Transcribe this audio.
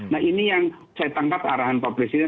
nah ini yang saya tangkap arahan pak presiden